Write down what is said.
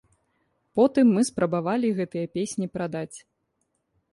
Потым мы спрабавалі гэтыя песні прадаць.